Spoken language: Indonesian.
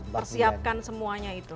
persiapkan semuanya itu